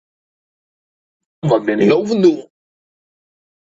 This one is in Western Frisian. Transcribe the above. Wat binne jo fan doel?